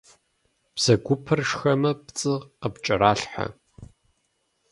Бзэгупэр шхэмэ пцӏы къыпкӏэралъхьэ.